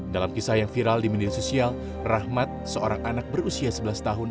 dalam kisah yang viral di media sosial rahmat seorang anak berusia sebelas tahun